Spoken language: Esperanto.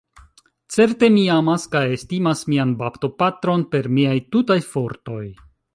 Certe mi amas kaj estimas mian baptopatron per miaj tutaj fortoj.